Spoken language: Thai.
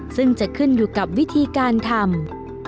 ซึ่งจะขึ้นอยู่กับวิธีการทำ